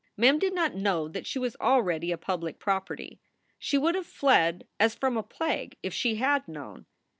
Mem did not know that she was already a public property. She would have fled as from a plague if she had known.